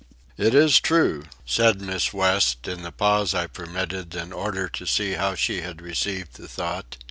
'" "It is true," said Miss West, in the pause I permitted in order to see how she had received the thought.